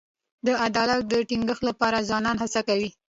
د عدالت د ټینګښت لپاره ځوانان هڅې کوي.